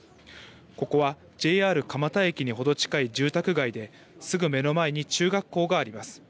ここはＪＲ蒲田駅に程近い住宅街ですぐ目の前に中学校があります。